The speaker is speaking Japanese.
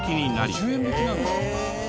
５０円引きなんだ！